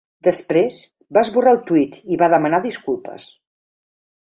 Després, va esborrar el tuit i va demanar disculpes.